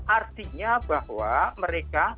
artinya bahwa mereka